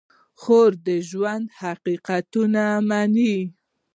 خور د ژوند حقیقتونه مني.